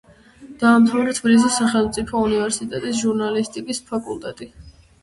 დაამთავრა თბილისის სახელმწიფო უნივერსიტეტის ჟურნალისტიკის ფაკულტეტი.